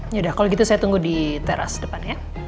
yaudah kalau gitu saya tunggu di teras depannya